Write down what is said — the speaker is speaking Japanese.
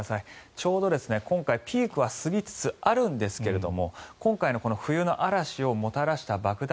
ちょうど今回ピークは過ぎつつあるんですが今回のこの冬の嵐をもたらした爆弾